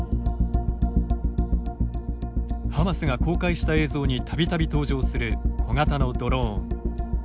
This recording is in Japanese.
ハマスが公開した映像に度々登場する小型のドローン。